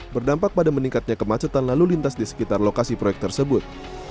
berdampak pada meningkatnya kemacetan lalu lintas di sekitar lokasi proyek tersebut